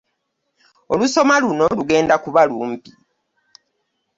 Olusoma luno lugenda kuba lumpi.